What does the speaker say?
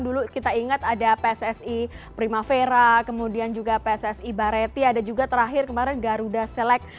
dulu kita ingat ada pssi primavera kemudian juga pssi bareti ada juga terakhir kemarin garuda selek